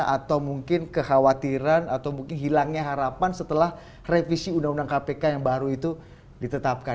atau mungkin kekhawatiran atau mungkin hilangnya harapan setelah revisi undang undang kpk yang baru itu ditetapkan